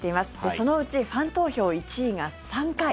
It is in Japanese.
そのうちファン投票１位が３回。